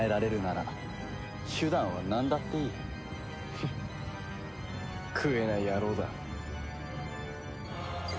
フッ食えない野郎だ。